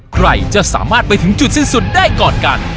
ใครจะสามารถไปถึงจุดสิ้นสุดได้ก่อนกัน